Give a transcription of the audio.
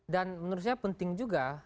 dan menurut saya penting juga